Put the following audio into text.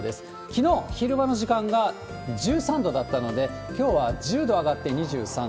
きのう、昼間の時間が１３度だったので、きょうは１０度上がって２３度。